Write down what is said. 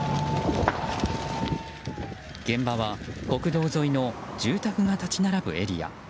現場は国道沿いの住宅が立ち並ぶエリア。